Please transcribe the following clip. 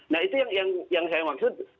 nah itu yang saya maksud